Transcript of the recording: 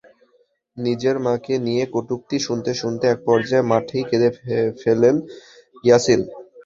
নিজের মাকে নিয়ে কটূক্তি শুনতে শুনতে একপর্যায়ে মাঠেই কেঁদে ফেলেন ইয়াসিন।